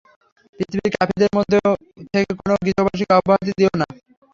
পৃথিবীতে কাফিরদের মধ্য থেকে কোন গৃহবাসীকে অব্যাহতি দিও না।